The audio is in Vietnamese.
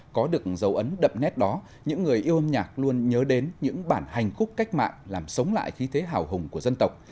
có được dấu ấn đậm nét đó những người yêu âm nhạc luôn nhớ đến những bản hành khúc cách mạng làm sống lại khí thế hào hùng của dân tộc